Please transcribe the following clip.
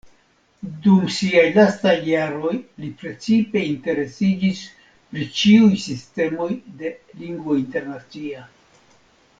Dum siaj lastaj jaroj li precipe interesiĝis pri ĉiuj sistemoj de Lingvo Internacia.